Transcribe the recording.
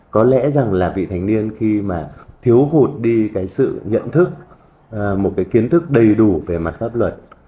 có lẽ rằng là vị thành niên khi mà thiếu hụt đi cái sự nhận thức một cái kiến thức đầy đủ về mặt pháp luật